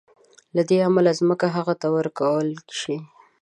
له دې امله ځمکه هغه ته ورکول شي.